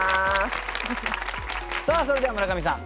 さあそれでは村上さん